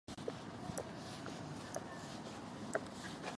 この人が国民栄誉賞をもらっていないのは驚きだ